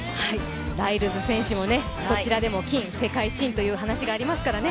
ライルズ選手もこちらでも金、世界新という話がありますからね。